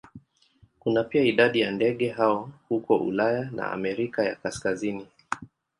Kuna pia idadi ya ndege hao huko Ulaya na Amerika ya Kaskazini.